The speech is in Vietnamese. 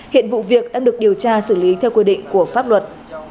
hiện vụ việc đang được điều tra xử lý theo quy định của pháp luật